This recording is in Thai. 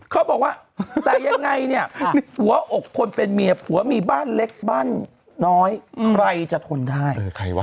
เขาบอกว่าแต่ยังไงเนี่ยหัวอกคนเป็นเมียผัวมีบ้านเล็กบ้านน้อยใครจะทนได้เออใครวะ